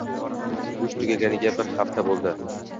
Go`sht tugaganiga bir hafta bo`ldi